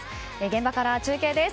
現場から中継です。